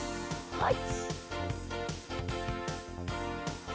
はい。